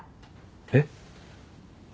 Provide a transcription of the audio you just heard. えっ？